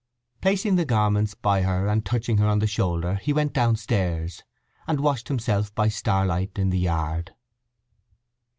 Placing the garments by her and touching her on the shoulder he went downstairs, and washed himself by starlight in the yard.